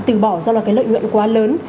từ bỏ do lợi nhuận quá lớn